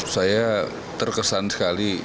saya terkesan sekali